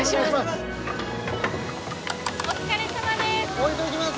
お疲れさまです。